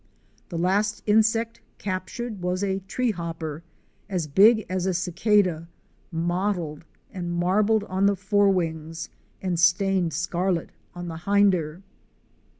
The last insect captured was a tree hopper as big as a cicada, mottled and marbled on the fore wings, and stained scarlet on the hinder.